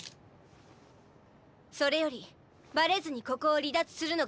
それよりバレずにここを離脱するのが先よ。